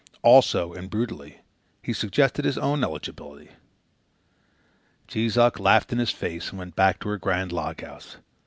Also, and brutally, he suggested his own eligibility. Jees Uck laughed in his face and went back to her grand log house.